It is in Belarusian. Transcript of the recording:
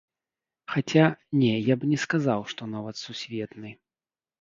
Хаця, не, я б не сказаў, што нават сусветны.